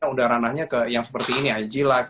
udarananya ke yang seperti ini ig live